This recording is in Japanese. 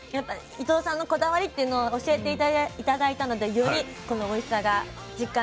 伊藤さんのこだわりっていうのを教えて頂いたのでよりこのおいしさが実感できました。